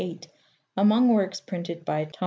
438, among works printed by Thos.